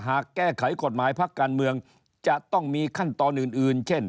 แก้ไขกฎหมายพักการเมืองจะต้องมีขั้นตอนอื่นเช่น